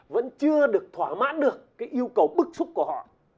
vẫn chưa được thỏa mãn được cái yêu cầu bức xúc của họ